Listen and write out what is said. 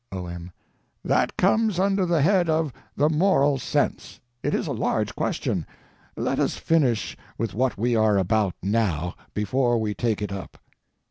O.M. That comes under the head of the Moral Sense. It is a large question. Let us finish with what we are about now, before we take it up.